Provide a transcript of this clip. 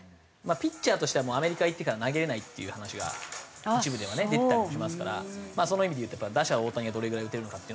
ピッチャーとしてはアメリカ行ってから投げられないっていう話が一部では出てたりもしますからその意味でいうと打者大谷がどれぐらい打てるのかというのと